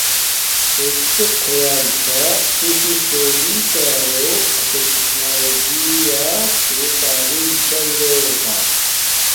تے کسک خیال چھاہ کہ تو شو شونی کا رو اݽݽ تکنالوجیا تے تعلیم شاہ روتہ